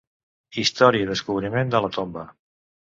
Història i descobriment de la tomba.